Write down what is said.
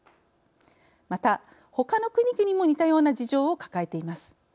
またほかの国々も似たような事情を抱えています。